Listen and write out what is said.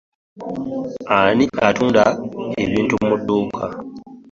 Ani atunda ebintu mu dduuka.